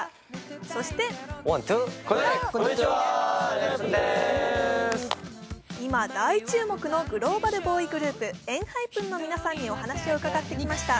そして今、大注目のグローバルボーイズグループ、ＥＮＨＹＰＥＮの皆さんに皆さんにお話を伺ってきました。